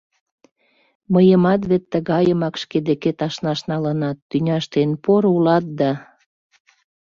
Мыйымат вет тыгайымак шке декет ашнаш налынат, тӱняште эн поро улат да...